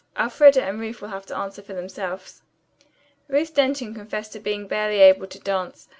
Elfreda and Ruth will have to answer for themselves." Ruth Denton confessed to being barely able to dance.